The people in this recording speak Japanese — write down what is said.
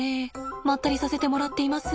まったりさせてもらっています。